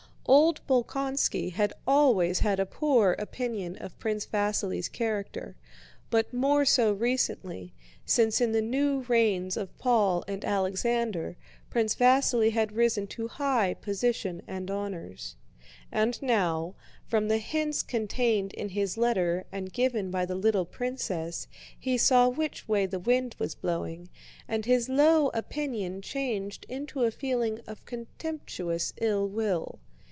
Old Bolkónski had always had a poor opinion of Prince Vasíli's character, but more so recently, since in the new reigns of Paul and Alexander Prince Vasíli had risen to high position and honors. And now, from the hints contained in his letter and given by the little princess, he saw which way the wind was blowing, and his low opinion changed into a feeling of contemptuous ill will.